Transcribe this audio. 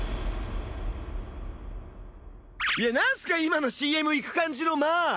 いやなんすか今のＣＭ行く感じの間！